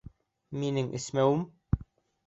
Минең эсмәүем...